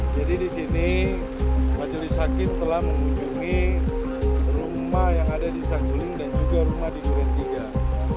jadi disini majelis hakim telah mengunjungi rumah yang ada di saguling dan juga rumah di durian tiga